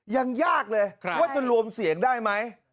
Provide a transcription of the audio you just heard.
ยังยากเลยว่าจะรวมเสียงได้ไหม